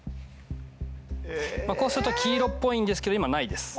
こうすると黄色っぽいんですけど今ないです。